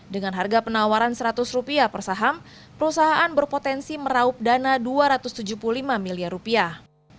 dengan harga penawaran seratus rupiah per saham perusahaan berpotensi meraup dana dua ratus tujuh puluh lima miliar rupiah